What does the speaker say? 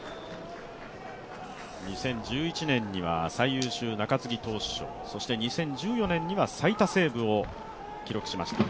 ２０１１年には最優秀中継ぎ投手賞、２０１４年には最多セーブを記録しました。